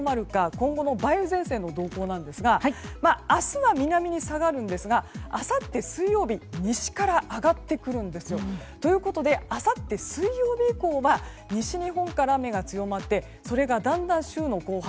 今後の梅雨前線の動向ですが明日は南に下がるんですがあさって水曜日は西から上がってくるということであさって水曜日以降は西日本から雨が強まってそれがだんだん週の後半